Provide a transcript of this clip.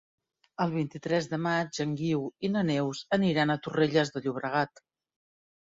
El vint-i-tres de maig en Guiu i na Neus aniran a Torrelles de Llobregat.